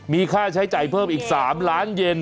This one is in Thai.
มีค่าใช้จ่ายเพิ่มอีก๓ล้านเย็น